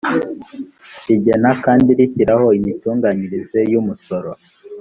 rigena kandi rishyiraho imitunganyirize y umusoro